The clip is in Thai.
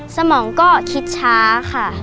สมองก็คิดช้าค่ะ